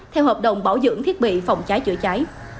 theo hợp đồng bảo dưỡng thiết bị phòng trái chữa trái